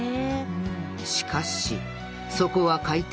しかしそこは海底の砂漠。